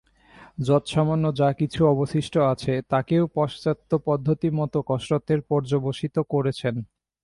যৎসামান্য যা কিছু অবশিষ্ট আছে, তাকেও পাশ্চাত্য পদ্ধতিমত কসরতে পর্যবসিত করেছে।